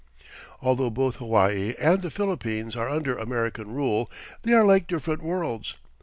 Although both Hawaii and the Philippines are under American rule, they are like different worlds.